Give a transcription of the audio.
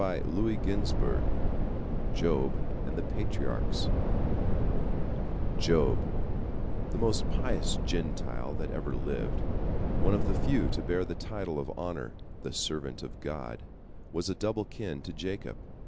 III JOB JOB AND THE PATRIARCHS Job, the most pious Gentile that ever lived, one of the few to bear the title of honor "the servant of God," was of double kin to Jacob.